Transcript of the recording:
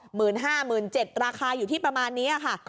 ห้าหมื่นเจ็ดราคาอยู่ที่ประมาณนี้ค่ะ